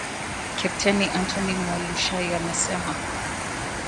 Kepteni Antony Mualushayi amesema